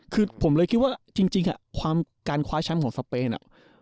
คือผมเลยคิดว่าจริงการคว้าแชมป์ของสเปน